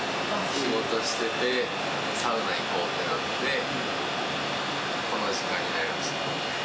仕事してて、サウナ行こうってなって、この時間になりました。